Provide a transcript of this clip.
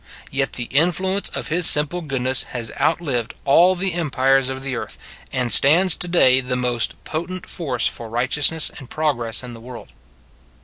Yet the influence of His simple goodness has out lived all the empires of the earth, and stands to day the most potent force for righteousness and progress in the world.